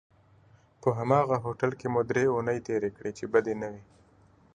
په هماغه هوټل کې مو درې اونۍ تېرې کړې چې بدې نه وې.